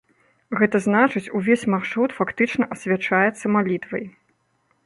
Гэта значыць, увесь маршрут фактычна асвячаецца малітвай.